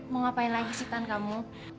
mau ngapain lagi sih tan kamu